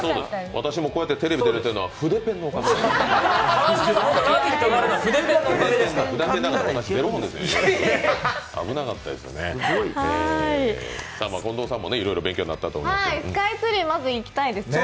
私もこうやってテレビに出ているのは筆ペンのおかげやから。